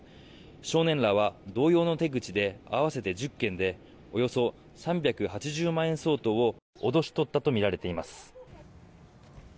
少年らは同様の手口で合わせて１０件でおよそ３８０万円相当を脅し取ったとみられています。